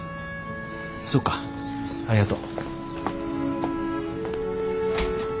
そっかありがと。